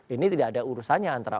ini tidak ada urusannya antara